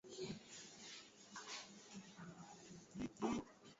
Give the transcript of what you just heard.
na kuwataka wananchi kutotoa ushirikiano kwa timu ya uchunguzi